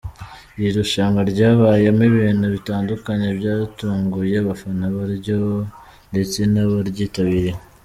Iri rushanwa ryabayemo ibintu bitandukanye byatunguye abafana baryo ndetse n’abaryitabiriye.